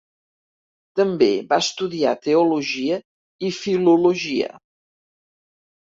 També va estudiar teologia i filologia.